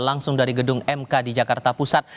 langsung dari gedung mk di jakarta pusat